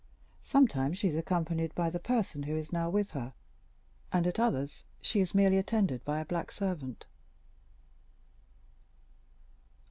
Sometimes she is accompanied by the person who is now with her, and at others she is merely attended by a black servant."